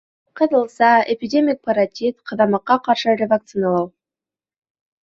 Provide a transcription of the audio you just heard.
Ҡыҙылса, эпидемик паротит, ҡыҙамыҡҡа ҡаршы ревакциналау